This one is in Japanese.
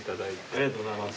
ありがとうございます。